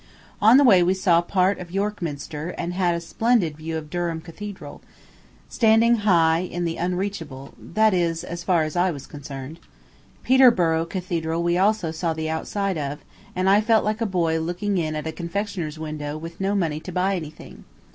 On the way we saw a part of York Minster, and had a splendid, view of Durham Cathedral, standing high in the unreachable that is, as far as I was concerned. Peterborough Cathedral we also saw the outside of, and I felt like a boy looking in at a confectioner's window with no money to buy anything.